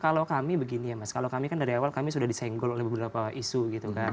kalau kami begini ya mas kalau kami kan dari awal kami sudah disenggol oleh beberapa isu gitu kan